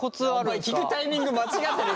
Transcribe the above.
お前聞くタイミング間違ってる。